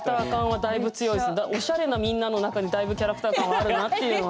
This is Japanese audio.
おしゃれなみんなの中でだいぶキャラクター感はあるなっていうのは。